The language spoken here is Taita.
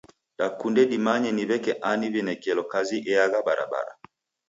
Dakunde dimanye ni w'eke ani w'inekelo kazi eagha barabara.